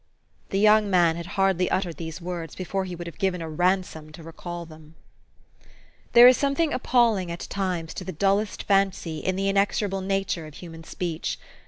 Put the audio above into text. The young man had hardly uttered these words before he would have given a ransom to recall them. There is something appalling, at times, to the dull est fancy, in the inexorable nature of human speech.